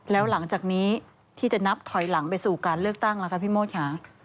แล้วหลังจากนี้ที่จะนับถอยหลังไปสู่การเลือกตั้งล่ะคะพี่โมดค่ะ